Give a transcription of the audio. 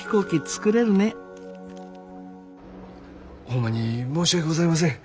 ホンマに申し訳ございません。